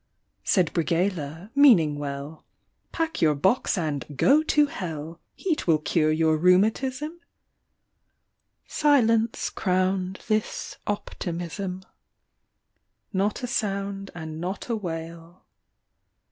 Said Brighella, meaning well :" Pack your box and — go to Hell ! Heat will cure your rheumatism !" Silence crowned this optimism. — Not a sound and not a wail